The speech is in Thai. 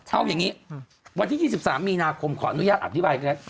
เอาอย่างนี้วันที่๒๓มีนาคมขออนุญาตอธิบายก็ได้